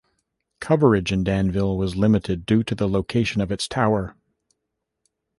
Coverage in Danville was limited due to the location of its tower.